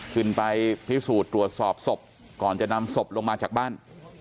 ขึ้นไปพิสูจน์ตรวจสอบศพก่อนจะนำศพลงมาจากบ้าน